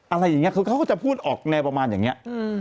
อะไรอย่างนี้คือเขาก็จะพูดออกแนวประมาณอย่างนี้